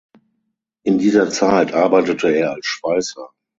In dieser Zeit arbeitete er als Schweißer.